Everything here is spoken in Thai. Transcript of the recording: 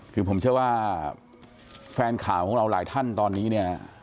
คือผมเชื่อว่าแฟนข่าวของเราหลายท่านตอนนี้เนี่ย